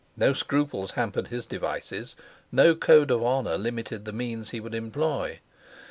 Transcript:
No scruples hampered his devices, no code of honor limited the means he would employ.